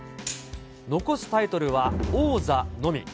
残すタイトルは、王座のみ。